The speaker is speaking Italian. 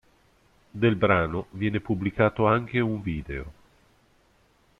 Del brano viene pubblicato anche un video.